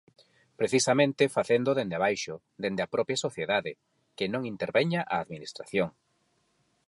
Precisamente facéndoo dende abaixo, dende a propia sociedade, que non interveña a administración.